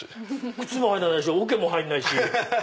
靴も入らないしおけも入らないし。